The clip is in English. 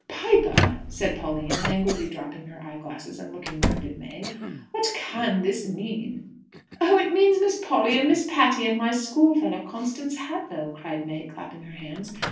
"Piper!" said Pauline, languidly dropping her eyeglass, and looking round at May. "What can this mean?" "Oh, it means Miss Polly and Miss Patty and my schoolfellow Constance Hadlow!" cried May, clapping her hands.